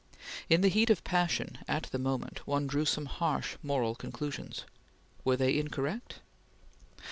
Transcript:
In the heat of passion at the moment, one drew some harsh moral conclusions: Were they incorrect?